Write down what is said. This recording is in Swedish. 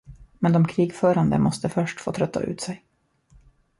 Men de krigförande måste först få trötta ut sig.